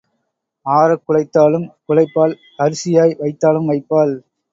ஆறக் குழைத்தாலும் குழைப்பாள் அரிசியாய் வைத்தாலும் வைப்பாள்.